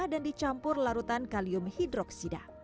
dan dicampur larutan kalium hidroksida